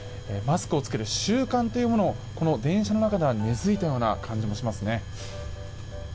マスクを着ける習慣というものが電車の中では根付いたような感じもしますね。